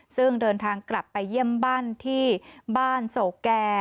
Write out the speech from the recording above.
ซึ่งเดินทางกลับไปเยี่ยมบ้านที่บ้านโศกแก่